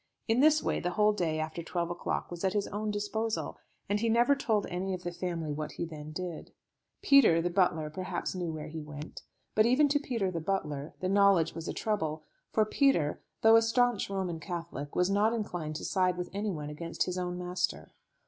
In this way the whole day after twelve o'clock was at his own disposal, and he never told any of the family what he then did. Peter, the butler, perhaps knew where he went, but even to Peter the butler, the knowledge was a trouble; for Peter, though a stanch Roman Catholic, was not inclined to side with anyone against his own master.